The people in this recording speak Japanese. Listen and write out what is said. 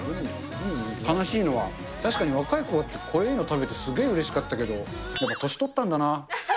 悲しいのは、確かに若いころって、こういうの食べてすげえうれしかったけど、やっぱ年取ったんだな。